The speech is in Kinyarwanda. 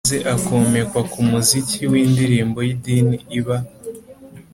maze akomekwa ku muziki w'indirimbo y'idini iba